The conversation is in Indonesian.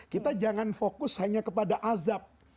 kita jangan fokus hanya kepada azab